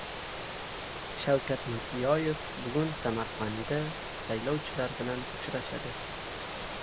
Shavkat Mirziyoyev bugun Samarqandda saylovchilar bilan uchrashadi